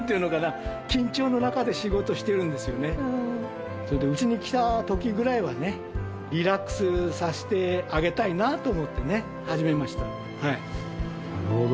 かれこれそれでうちに来た時ぐらいはねリラックスさせてあげたいなと思ってねなるほど。